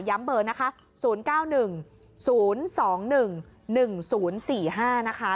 เบอร์นะคะ๐๙๑๐๒๑๑๐๔๕นะคะ